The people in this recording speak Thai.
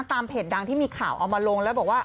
เพจดังที่มีข่าวเอามาลงแล้วบอกว่า